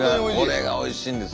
これがおいしいんです